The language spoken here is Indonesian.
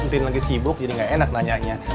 nanti lagi sibuk jadi nggak enak nanyanya